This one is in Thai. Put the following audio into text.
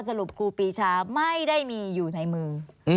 ครูปีชาไม่ได้มีอยู่ในมือ